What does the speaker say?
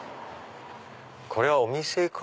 これはお店か？